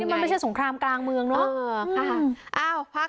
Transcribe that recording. มันไม่ใช่สงครามกลางเมืองเนาะ